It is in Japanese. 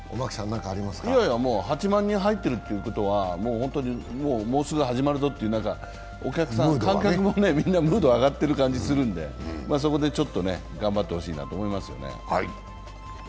もう８万人入っているということは、もうすぐ始まるぞという観客も、みんなムードが上がってる感じがするので、そこでちょっと頑張ってほしいなと思いますよね。